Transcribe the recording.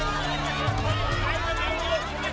ไม่ล้า